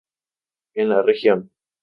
En la región.